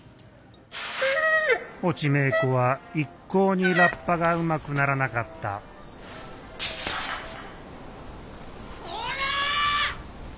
越智芽衣子は一向にラッパがうまくならなかったこら！